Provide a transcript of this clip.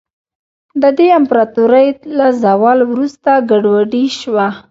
د دې امپراتورۍ له زوال وروسته ګډوډي شوه.